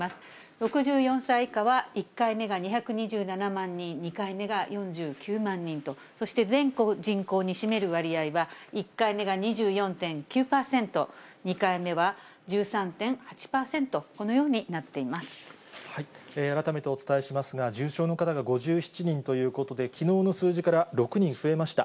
６４歳以下は１回目が２２７万人、２回目が４９万人と、そして全人口に占める割合が、１回目が２４．９％、２回目は１３．８％、改めてお伝えしますが、重症の方が５７人ということで、きのうの数字から６人増えました。